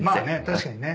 確かにね。